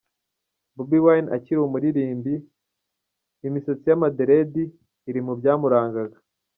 Bobi wine akiri umuririmbi ,imisatsi y'amaderedi iri mu byamurangaga.